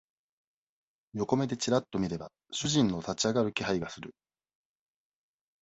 横目でちらっと見れば、主人の立ち上がる気配がする。